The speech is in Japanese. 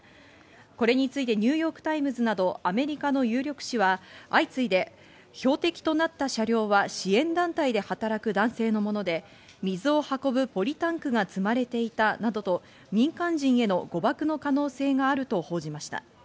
これについてニューヨーク・タイムズなどアメリカの有力紙は、相次いで標的となった車両は支援団体で働く男性のもので、水を運ぶポリタンクが積まれていたなどとを民間人への誤爆の可能性があると報じました。